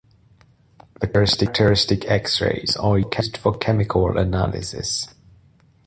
The characteristic X-rays are used for chemical analysis.